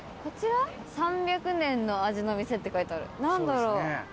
「三百年の味の店」って書いてある何だろう？